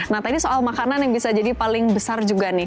nah tadi soal makanan yang bisa jadi paling besar juga nih